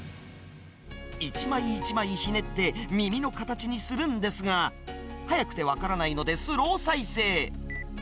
一枚一枚ひねって、耳の形にするんですが、速くて分からないのでスロー再生。